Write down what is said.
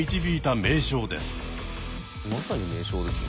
まさに名将ですよ